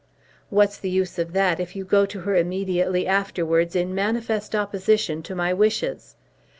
"What's the use of that, if you go to her immediately afterwards in manifest opposition to my wishes?